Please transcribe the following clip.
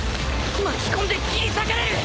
巻き込んで切り裂かれる！